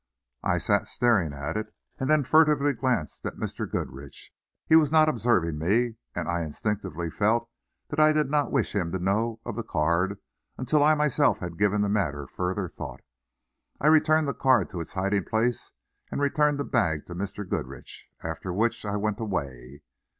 I sat staring at it, and then furtively glanced at Mr. Goodrich. He was not observing me, and I instinctively felt that I did not wish him to know of the card until I myself had given the matter further thought. I returned the card to its hiding place and returned the bag to Mr. Goodrich, after which I went away.